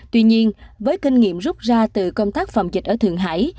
tuy nhiên với kinh nghiệm rút ra từ công tác phòng dịch ở thượng hải